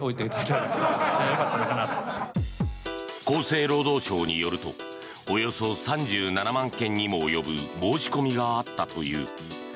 厚生労働省によるとおよそ３７万件にも及ぶ申し込みがあったという。